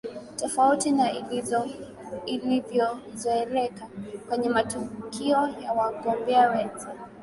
Tofauti na ilivyozoeleka kwenye matukio ya wagombea wenza